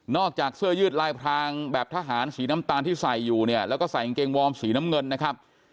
จากเสื้อยืดลายพรางแบบทหารสีน้ำตาลที่ใส่อยู่เนี่ยแล้วก็ใส่กางเกงวอร์มสีน้ำเงินนะครับ